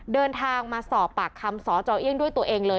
เดินทางมาสอบปากคำสจเอี่ยงด้วยตัวเองเลย